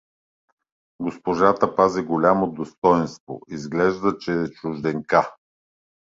Госпожата пази голямо достойнство, изглежда да е чужденка.